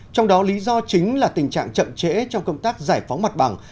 trong đó lý do chính là tình trạng chậm trễ trong công tác giải phóng mặt bằng